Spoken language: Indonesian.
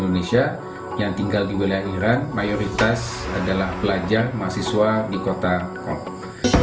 kutipan mempunyai kota panjang di kota komunikasi